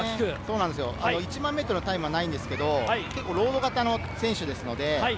１００００ｍのタイムはないのですけれど、ロード型の選手です。